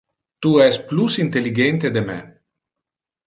Tu es plus intelligente de me.